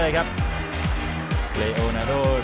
อันดับสุดท้ายของมันก็คือ